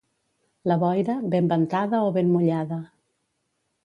La boira, ben ventada o ben mullada.